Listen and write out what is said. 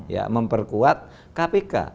ya memperkuat kpk